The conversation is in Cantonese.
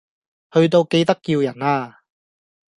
去到記得叫人呀